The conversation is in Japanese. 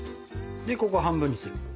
でここ半分にすれば。